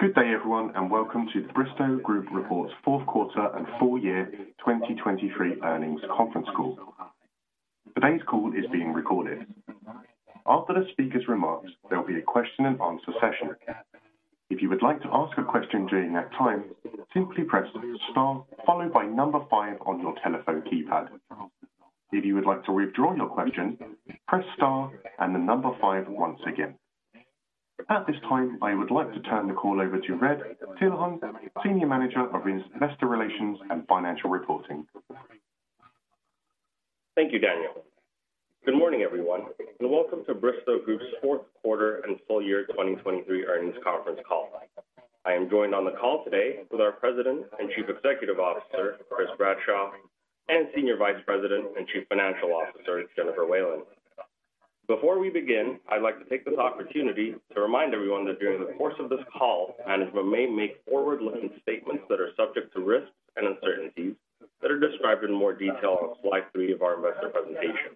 Good day, everyone, and welcome to the Bristow Group's fourth quarter and full year 2023 earnings conference call. Today's call is being recorded. After the speaker's remarks, there'll be a question-and-answer session. If you would like to ask a question during that time, simply press star followed by number five on your telephone keypad. If you would like to withdraw your question, press star and the number five once again. At this time, I would like to turn the call over to Red Tilahun, Senior Manager of Investor Relations and Financial Reporting. Thank you, Daniel. Good morning, everyone, and welcome to Bristow Group's fourth quarter and full year 2023 earnings conference call. I am joined on the call today with our President and Chief Executive Officer, Chris Bradshaw, and Senior Vice President and Chief Financial Officer, Jennifer Whalen. Before we begin, I'd like to take this opportunity to remind everyone that during the course of this call, management may make forward-looking statements that are subject to risks and uncertainties that are described in more detail on Slide 3 of our investor presentation.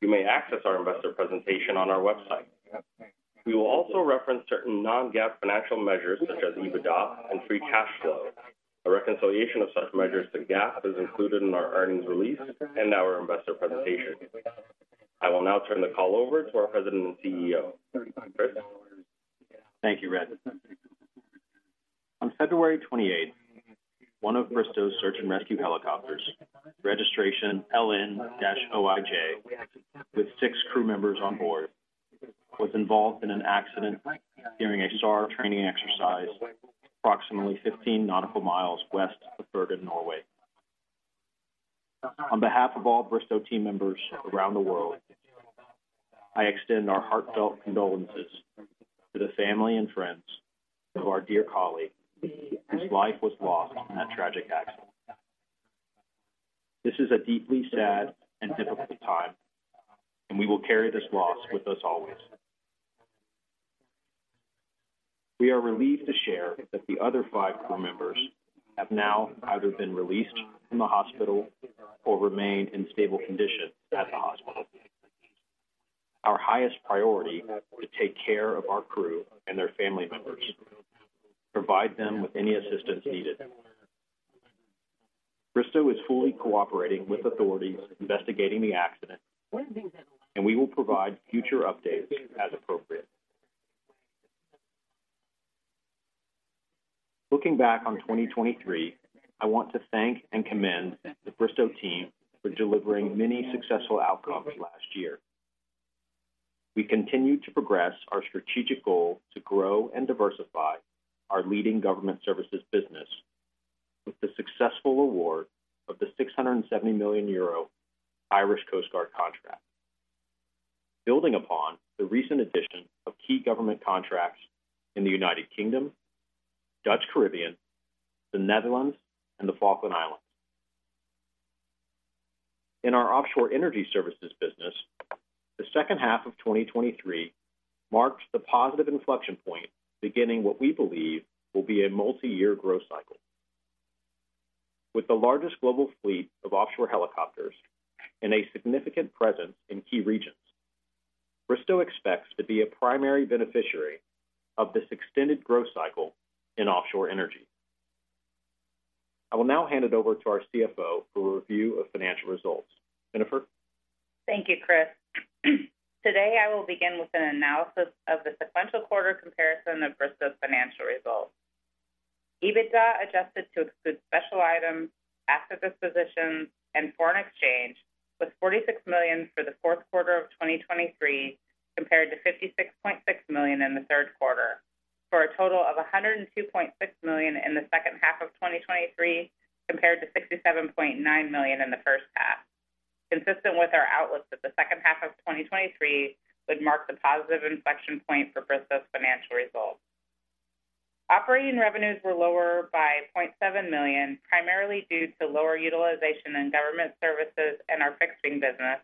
You may access our investor presentation on our website. We will also reference certain non-GAAP financial measures, such as EBITDA and free cash flow. A reconciliation of such measures to GAAP is included in our earnings release and our investor presentation. I will now turn the call over to our President and CEO. Chris? Thank you, Red. On February 28, one of Bristow's search and rescue helicopters, registration LN-OIJ, with six crew members on board, was involved in an accident during a SAR training exercise approximately 15 nautical miles west of Bergen, Norway. On behalf of all Bristow team members around the world, I extend our heartfelt condolences to the family and friends of our dear colleague, whose life was lost in that tragic accident. This is a deeply sad and difficult time, and we will carry this loss with us always. We are relieved to share that the other five crew members have now either been released from the hospital or remain in stable condition at the hospital. Our highest priority is to take care of our crew and their family members, provide them with any assistance needed. Bristow is fully cooperating with authorities investigating the accident, and we will provide future updates as appropriate. Looking back on 2023, I want to thank and commend the Bristow team for delivering many successful outcomes last year. We continued to progress our strategic goal to grow and diversify our leading government services business with the successful award of the 670 million euro Irish Coast Guard contract, building upon the recent addition of key government contracts in the United Kingdom, Dutch Caribbean, the Netherlands, and the Falkland Islands. In our offshore energy services business, the second half of 2023 marks the positive inflection point, beginning what we believe will be a multi-year growth cycle. With the largest global fleet of offshore helicopters and a significant presence in key regions, Bristow expects to be a primary beneficiary of this extended growth cycle in offshore energy. I will now hand it over to our CFO for a review of financial results. Jennifer? Thank you, Chris. Today, I will begin with an analysis of the sequential quarter comparison of Bristow's financial results. EBITDA, adjusted to exclude special items, asset dispositions, and foreign exchange, was $46 million for the fourth quarter of 2023, compared to $56.6 million in the third quarter, for a total of $102.6 million in the second half of 2023, compared to $67.9 million in the first half. Consistent with our outlook that the second half of 2023 would mark the positive inflection point for Bristow's financial results. Operating revenues were lower by $0.7 million, primarily due to lower utilization in government services and our fixed-wing business,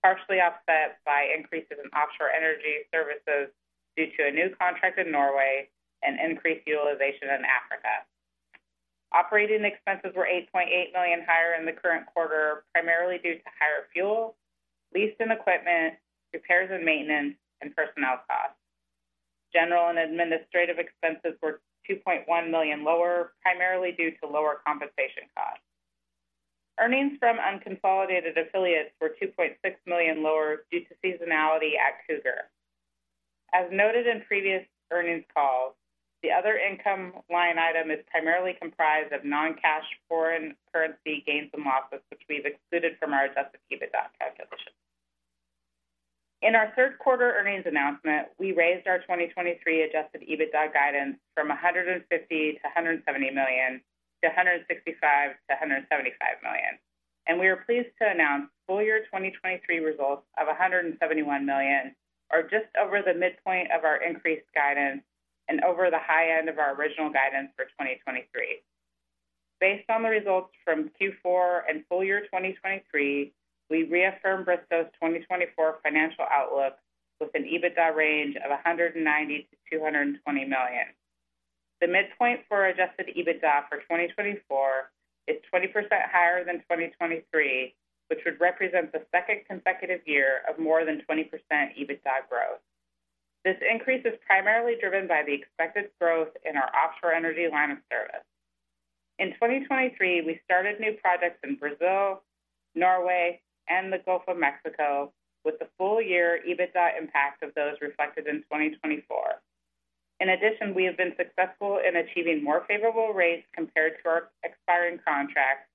partially offset by increases in offshore energy services due to a new contract in Norway and increased utilization in Africa. Operating expenses were $8.8 million higher in the current quarter, primarily due to higher fuel, leased-in equipment, repairs and maintenance, and personnel costs. General and administrative expenses were $2.1 million lower, primarily due to lower compensation costs. Earnings from unconsolidated affiliates were $2.6 million lower due to seasonality at Cougar. As noted in previous earnings calls, the other income line item is primarily comprised of non-cash foreign currency gains and losses, which we've excluded from our Adjusted EBITDA calculation. In our third quarter earnings announcement, we raised our 2023 Adjusted EBITDA guidance from $150 million-$170 million-$165 million-$175 million, and we are pleased to announce full year 2023 results of $171 million are just over the midpoint of our increased guidance and over the high end of our original guidance for 2023. Based on the results from Q4 and full year 2023, we reaffirm Bristow's 2024 financial outlook with an EBITDA range of $190 million-$220 million. The midpoint for Adjusted EBITDA for 2024 is 20% higher than 2023, which would represent the second consecutive year of more than 20% EBITDA growth. This increase is primarily driven by the expected growth in our offshore energy line of service. In 2023, we started new projects in Brazil, Norway, and the Gulf of Mexico, with the full year EBITDA impact of those reflected in 2024. In addition, we have been successful in achieving more favorable rates compared to our expiring contracts,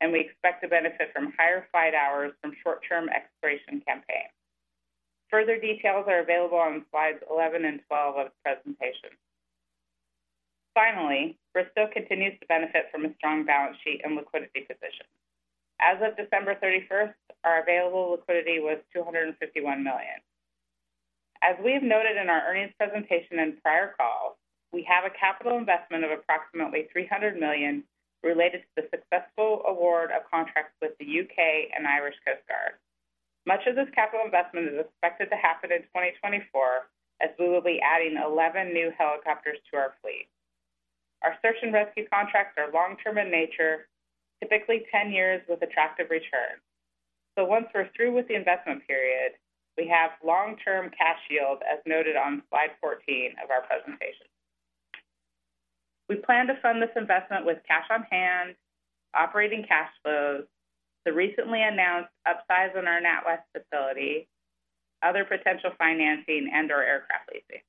and we expect to benefit from higher flight hours from short-term exploration campaigns. Further details are available on Slides 11 and 12 of the presentation. Finally, Bristow continues to benefit from a strong balance sheet and liquidity position. As of December thirty-first, our available liquidity was $251 million. As we've noted in our earnings presentation and prior calls, we have a capital investment of approximately $300 million related to the successful award of contracts with the U.K. and Irish Coast Guard. Much of this capital investment is expected to happen in 2024, as we will be adding 11 new helicopters to our fleet. Our search and rescue contracts are long-term in nature, typically 10 years with attractive returns. So once we're through with the investment period, we have long-term cash yield, as noted on Slide 14 of our presentation. We plan to fund this investment with cash on hand, operating cash flows, the recently announced upsize in our NatWest facility, other potential financing, and/or aircraft leasing.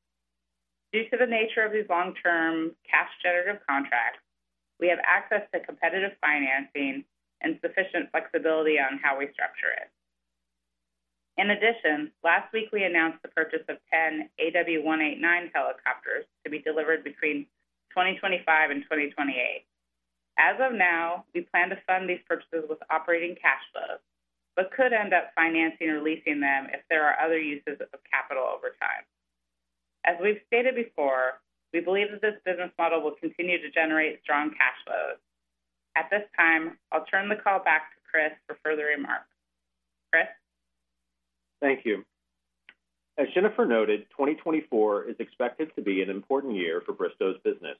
Due to the nature of these long-term cash-generative contracts, we have access to competitive financing and sufficient flexibility on how we structure it. In addition, last week we announced the purchase of 10 AW189 helicopters to be delivered between 2025 and 2028. As of now, we plan to fund these purchases with operating cash flows, but could end up financing or leasing them if there are other uses of capital over time. As we've stated before, we believe that this business model will continue to generate strong cash flows. At this time, I'll turn the call back to Chris for further remarks. Chris? Thank you. As Jennifer noted, 2024 is expected to be an important year for Bristow's business.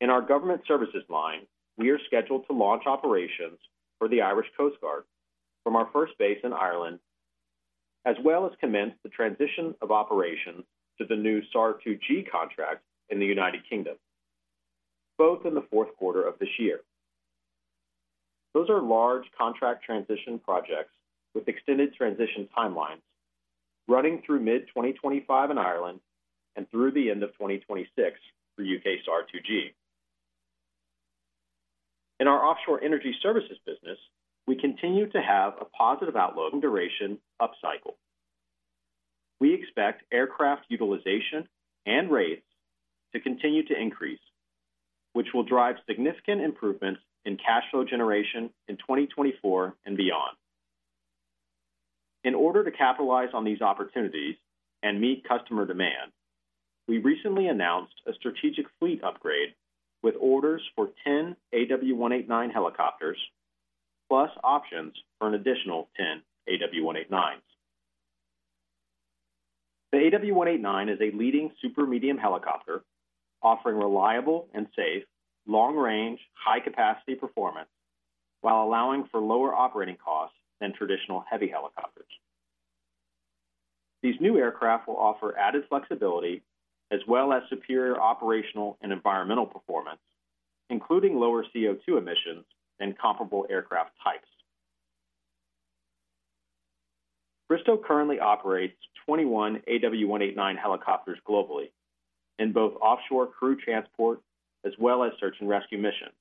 In our government services line, we are scheduled to launch operations for the Irish Coast Guard from our first base in Ireland, as well as commence the transition of operations to the new SAR 2G contract in the United Kingdom, both in the fourth quarter of this year. Those are large contract transition projects with extended transition timelines running through mid-2025 in Ireland and through the end of 2026 for U.K. SAR 2G. In our offshore energy services business, we continue to have a positive outlook and duration upcycle. We expect aircraft utilization and rates to continue to increase, which will drive significant improvements in cash flow generation in 2024 and beyond. In order to capitalize on these opportunities and meet customer demand, we recently announced a strategic fleet upgrade with orders for 10 AW189 helicopters, plus options for an additional 10 AW189s. The AW189 is a leading super medium helicopter, offering reliable and safe, long-range, high-capacity performance, while allowing for lower operating costs than traditional heavy helicopters. These new aircraft will offer added flexibility as well as superior operational and environmental performance, including lower CO2 emissions than comparable aircraft types. Bristow currently operates 21 AW189 helicopters globally in both offshore crew transport as well as search and rescue missions,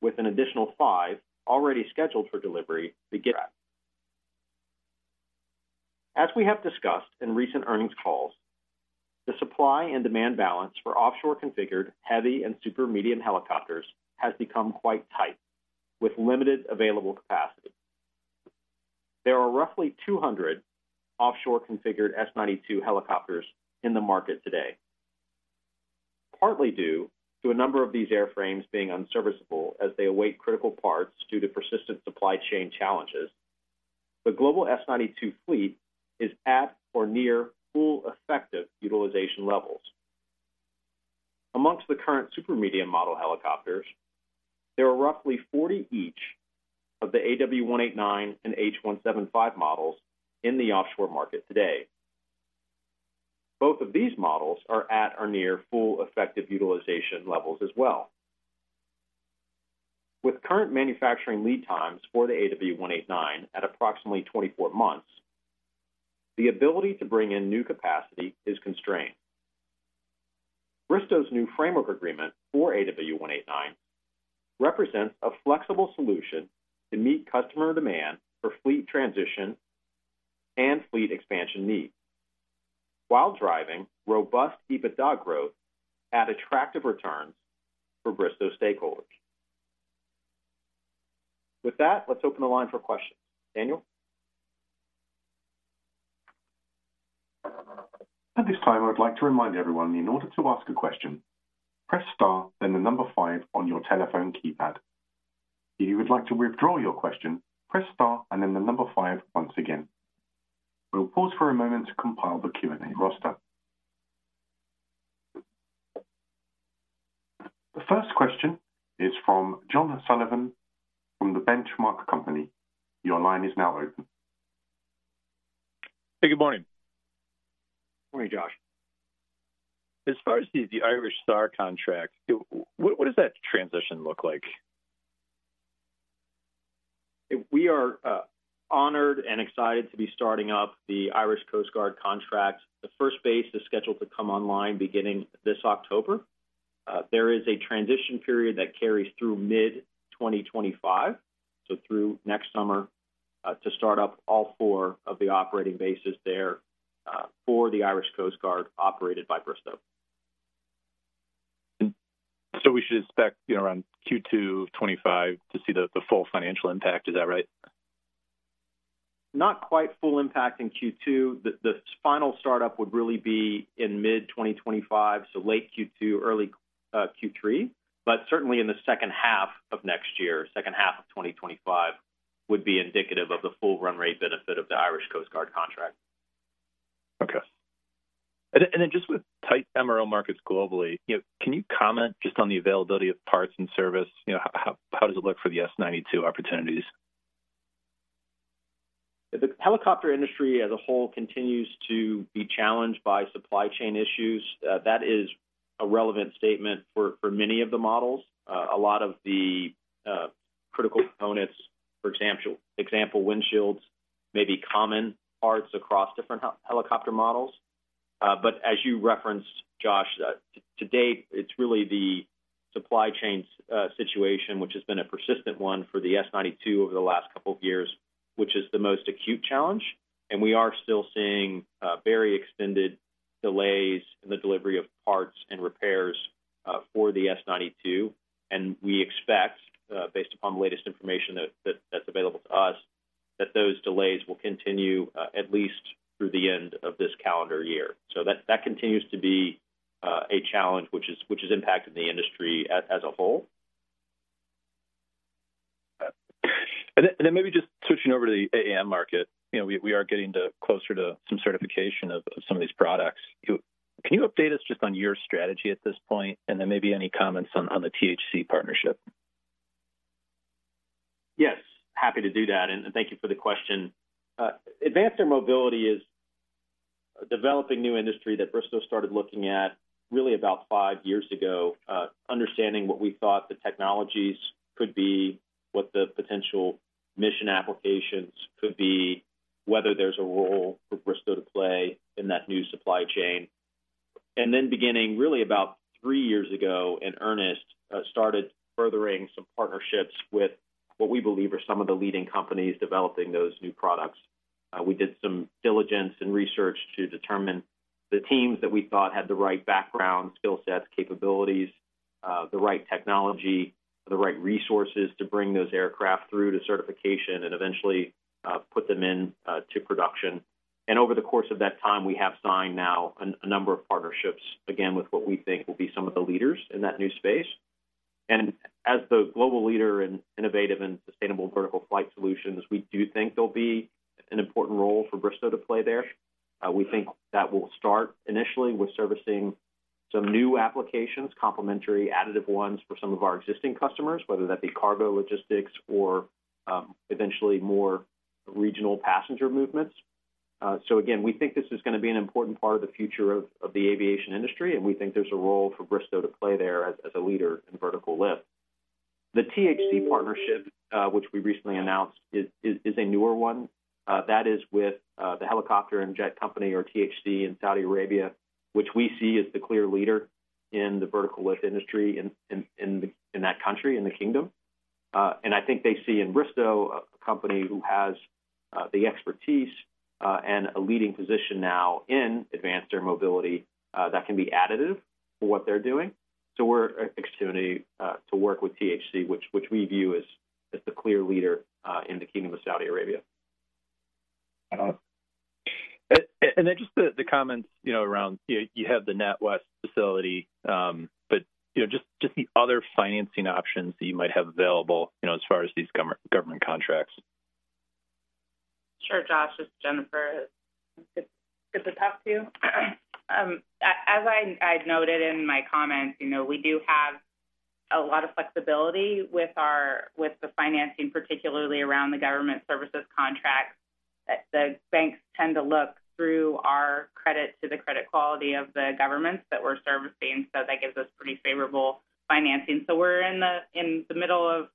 with an additional 5 already scheduled for delivery to get there. As we have discussed in recent earnings calls, the supply and demand balance for offshore-configured heavy and super medium helicopters has become quite tight, with limited available capacity. There are roughly 200 offshore-configured S-92 helicopters in the market today. Partly due to a number of these airframes being unserviceable as they await critical parts due to persistent supply chain challenges, the global S-92 fleet is at or near full effective utilization levels. Among the current super medium model helicopters, there are roughly 40 each of the AW189 and H175 models in the offshore market today. Both of these models are at or near full effective utilization levels as well. With current manufacturing lead times for the AW189 at approximately 24 months, the ability to bring in new capacity is constrained. Bristow's new framework agreement for AW189 represents a flexible solution to meet customer demand for fleet transition and fleet expansion needs, while driving robust EBITDA growth at attractive returns for Bristow stakeholders. With that, let's open the line for questions. Daniel? At this time, I would like to remind everyone, in order to ask a question, press star then the number five on your telephone keypad. If you would like to withdraw your question, press star and then the number five once again. We'll pause for a moment to compile the Q&A roster. The first question is from Josh Sullivan from The Benchmark Company. Your line is now open. Hey, good morning. Morning, Josh. As far as the Irish SAR contract, what does that transition look like? We are, honored and excited to be starting up the Irish Coast Guard contract. The first base is scheduled to come online beginning this October. There is a transition period that carries through mid-2025, so through next summer, to start up all four of the operating bases there, for the Irish Coast Guard, operated by Bristow. So we should expect, you know, around Q2 of 2025 to see the full financial impact. Is that right? Not quite full impact in Q2. The final startup would really be in mid-2025, so late Q2, early Q3, but certainly in the second half of next year, second half of 2025, would be indicative of the full run rate benefit of the Irish Coast Guard contract. Okay. And then, and then just with tight MRO markets globally, you know, can you comment just on the availability of parts and service? You know, how does it look for the S-92 opportunities? The helicopter industry as a whole continues to be challenged by supply chain issues. That is a relevant statement for many of the models. A lot of the critical components, for example, windshields, may be common parts across different helicopter models. But as you referenced, Josh, to date, it's really the supply chain situation, which has been a persistent one for the S-92 over the last couple of years, which is the most acute challenge. And we are still seeing very extended delays in the delivery of parts and repairs for the S-92. And we expect, based upon the latest information that's available to us, that those delays will continue at least through the end of this calendar year. So that continues to be a challenge which has impacted the industry as a whole. Then maybe just switching over to the AAM market. You know, we are getting closer to some certification of some of these products. Can you update us just on your strategy at this point, and then maybe any comments on the THC partnership? Yes, happy to do that, and, and thank you for the question. Advanced Air Mobility is a developing new industry that Bristow started looking at really about five years ago, understanding what we thought the technologies could be, what the potential mission applications could be, whether there's a role for Bristow to play in that new supply chain. And then beginning, really about three years ago, in earnest, started furthering some partnerships with what we believe are some of the leading companies developing those new products. We did some diligence and research to determine the teams that we thought had the right background, skill sets, capabilities, the right technology, the right resources to bring those aircraft through to certification and eventually, put them in, to production. Over the course of that time, we have signed now a number of partnerships, again, with what we think will be some of the leaders in that new space. And as the global leader in innovative and sustainable vertical flight solutions, we do think there'll be an important role for Bristow to play there. We think that will start initially with servicing some new applications, complementary, additive ones, for some of our existing customers, whether that be cargo, logistics, or eventually more regional passenger movements. So again, we think this is gonna be an important part of the future of the aviation industry, and we think there's a role for Bristow to play there as a leader in vertical lift. The THC partnership, which we recently announced, is a newer one. That is with the helicopter and jet company, or THC, in Saudi Arabia, which we see as the clear leader in the vertical lift industry in that country, in the kingdom. And I think they see in Bristow a company who has the expertise and a leading position now in advanced air mobility that can be additive for what they're doing. So we're excited to work with THC, which we view as the clear leader in the Kingdom of Saudi Arabia. And then just the comments, you know, around, you know, you have the NatWest facility, but, you know, just the other financing options that you might have available, you know, as far as these government contracts. Sure, Josh, it's Jennifer. Good to talk to you. As I've noted in my comments, you know, we do have a lot of flexibility with our financing, particularly around the government services contract, that the banks tend to look through our credit to the credit quality of the governments that we're servicing, so that gives us pretty favorable financing. So we're in the middle of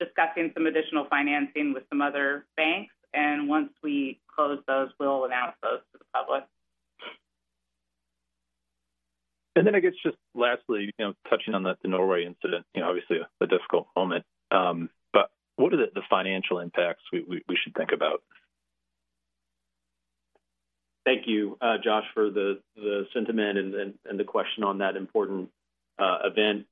discussing some additional financing with some other banks, and once we close those, we'll announce those to the public. Then, I guess, just lastly, you know, touching on the Norway incident, you know, obviously a difficult moment. But what are the financial impacts we should think about? Thank you, Josh, for the sentiment and the question on that important event.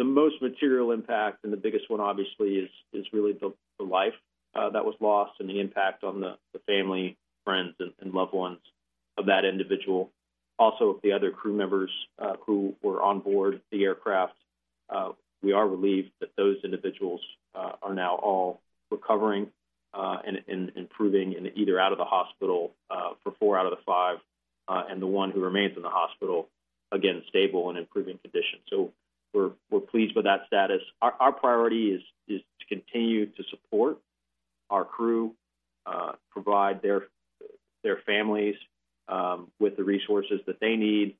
The most material impact and the biggest one, obviously, is really the life that was lost and the impact on the family, friends, and loved ones of that individual. Also, the other crew members who were on board the aircraft, we are relieved that those individuals are now all recovering and improving and either out of the hospital for four out of the five, and the one who remains in the hospital, again, stable and improving condition. So we're pleased with that status. Our priority is to continue to support our crew, provide their families with the resources that they need,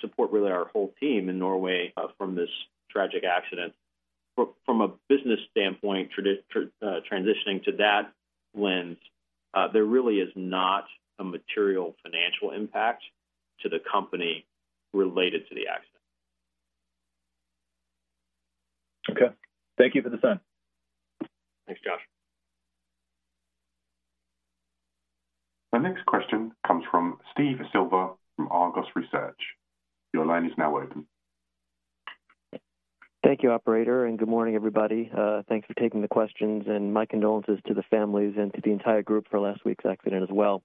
support really our whole team in Norway from this tragic accident. From a business standpoint, transitioning to that lens, there really is not a material financial impact to the company related to the accident. Okay. Thank you for the time. Thanks, Josh. The next question comes from Steve Silver from Argus Research. Your line is now open. Thank you, operator, and good morning, everybody. Thanks for taking the questions and my condolences to the families and to the entire group for last week's accident as well.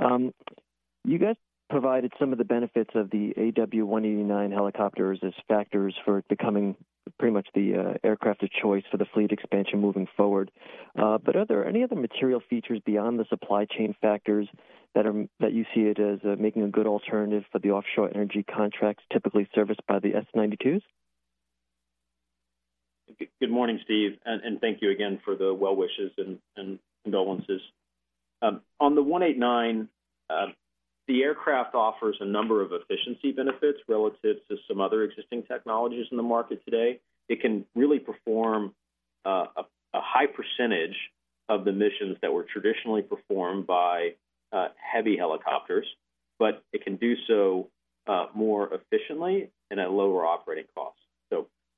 You guys provided some of the benefits of the AW189 helicopters as factors for becoming pretty much the aircraft of choice for the fleet expansion moving forward. But are there any other material features beyond the supply chain factors that you see it as making a good alternative for the offshore energy contracts typically serviced by the S-92s? Good morning, Steve, and thank you again for the well wishes and condolences. On the AW189, the aircraft offers a number of efficiency benefits relative to some other existing technologies in the market today. It can really perform a high percentage of the missions that were traditionally performed by heavy helicopters, but it can do so more efficiently and at a lower operating cost. So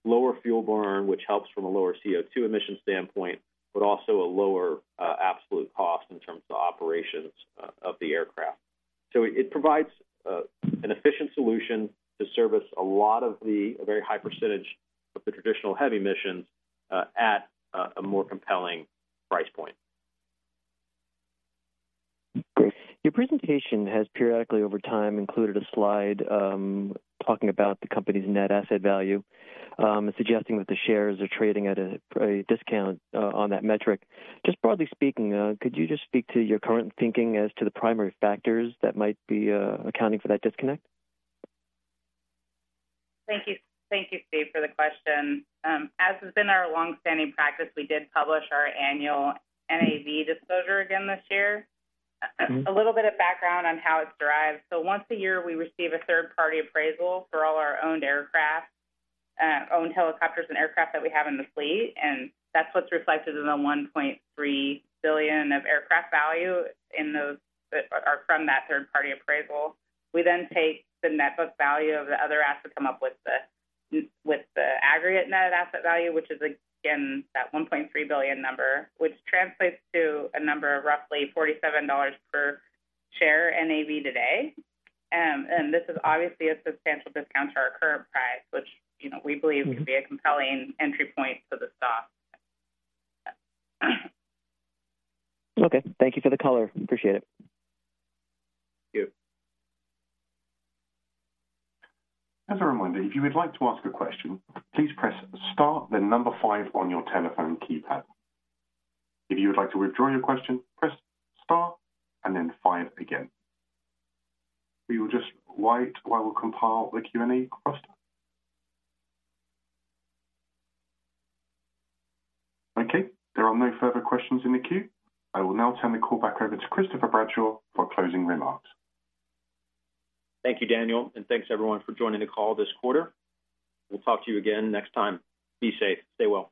lower fuel burn, which helps from a lower CO2 emission standpoint, but also a lower absolute cost in terms of operations of the aircraft. So it provides an efficient solution to service a lot of a very high percentage of the traditional heavy missions at a more compelling price point. Your presentation has periodically over time included a slide talking about the company's Net Asset Value, suggesting that the shares are trading at a discount on that metric. Just broadly speaking, could you just speak to your current thinking as to the primary factors that might be accounting for that disconnect? Thank you. Thank you, Steve, for the question. As has been our long-standing practice, we did publish our annual NAV disclosure again this year. A little bit of background on how it's derived. So once a year, we receive a third-party appraisal for all our owned aircraft, owned helicopters and aircraft that we have in the fleet, and that's what's reflected in the $1.3 billion of aircraft value in those or from that third-party appraisal. We then take the net book value of the other assets to come up with the aggregate Net Asset Value, which is again that $1.3 billion number, which translates to a number of roughly $47 per share NAV today. And this is obviously a substantial discount to our current price, which, you know, we believe could be a compelling entry point to the stock. Okay. Thank you for the color. Appreciate it. Thank you. As a reminder, if you would like to ask a question, please press star then number five on your telephone keypad. If you would like to withdraw your question, press star and then five again. We will just wait while we compile the Q&A cluster. Okay, there are no further questions in the queue. I will now turn the call back over to Chris Bradshaw for closing remarks. Thank you, Daniel, and thanks everyone for joining the call this quarter. We'll talk to you again next time. Be safe. Stay well.